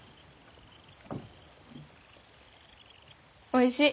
おいしい。